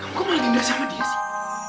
kamu kok malah tinggal sama dia sih